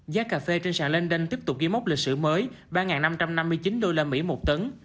giá cà phê trên sàn linh đênh tiếp tục ghi mốc lịch sử mới ba năm trăm năm mươi chín usd một tấn